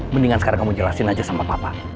mendingan sekarang kamu jelasin aja sama papa